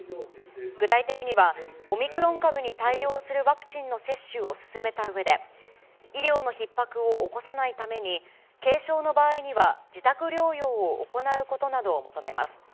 具体的には、オミクロン株に対応するワクチンの接種を進めたうえで、医療のひっ迫を起こさないために、軽症の場合には自宅療養を行うことなどを求めます。